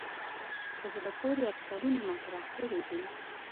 په زړه پورې اټکلونه مطرح کړي دي.